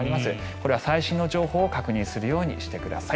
これは最新の情報を確認するようにしてください。